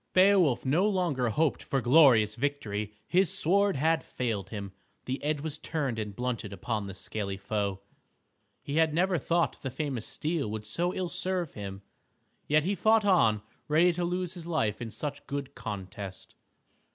Beowulf no longer hoped for glorious victory. His sword had failed him. The edge was turned and blunted upon the scaly foe. He had never thought the famous steel would so ill serve him. Yet he fought on ready to lose his life in such good contest.